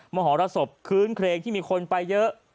มหรสบคคืนเครงที่มีคนไปเยอะ